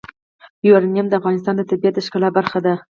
یورانیم د افغانستان د طبیعت د ښکلا برخه ده.